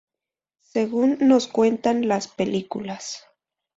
según nos cuentan las películas